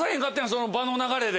その場の流れで。